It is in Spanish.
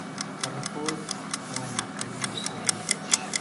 Carrefour, o en la Calle Beethoven.